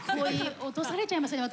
落とされちゃいましたね私。